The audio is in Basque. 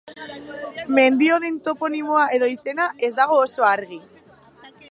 Mendi honen toponimoa edo izena ez dago oso argi.